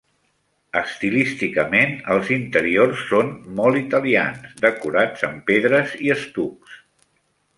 Estilísticament, els interiors són molt italians, decorats amb pedres i estucs.